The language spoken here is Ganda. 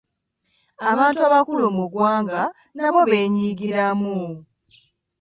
Abantu abakulu mu ggwanga nabo beenyigiramu.